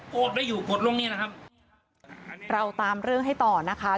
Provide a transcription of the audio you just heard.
โกดได้อยู่โกดลงเนี้ยนะครับเราตามเรื่องให้ต่อนะคะ